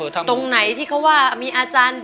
ตรงไหนที่เขาว่ามีอาจารย์